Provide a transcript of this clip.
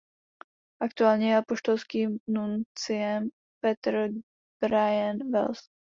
Aktuálně je apoštolským nunciem Peter Bryan Wells.